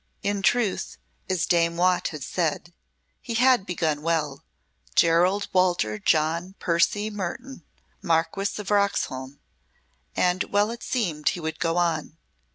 In truth, as Dame Watt had said, he had begun well Gerald Walter John Percy Mertoun, Marquess of Roxholm; and well it seemed he would go on.